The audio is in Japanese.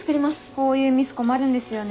こういうミス困るんですよね。